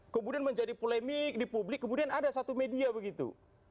kemudian menjadi polemik di publik kemudian ada satu media begitu